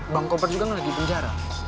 bang kopar juga gak lagi penjara